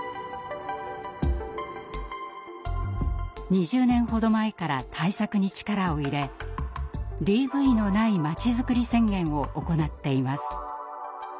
２０年ほど前から対策に力を入れＤＶのないまちづくり宣言を行っています。